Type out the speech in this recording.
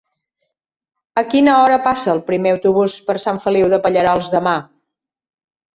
A quina hora passa el primer autobús per Sant Feliu de Pallerols demà?